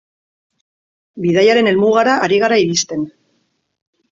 Bidaiaren helmugara ari gara iristen.